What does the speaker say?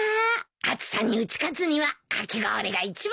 暑さに打ち勝つにはかき氷が一番だね！